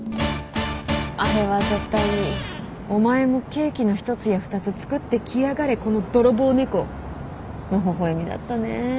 あれは絶対に「お前もケーキの１つや２つ作ってきやがれこの泥棒猫」の微笑みだったね。